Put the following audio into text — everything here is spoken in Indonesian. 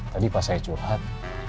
tadi pas saya curhat